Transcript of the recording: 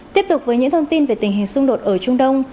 tiếp tục với những thông tin về tình hình xung đột ở trung đông